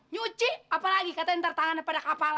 nyuci apalagi katanya tertangan pada kapal